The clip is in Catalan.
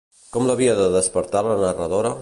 Com l'havia de despertar la narradora?